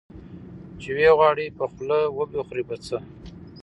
ـ چې وغواړې په خوله وبه خورې په څه.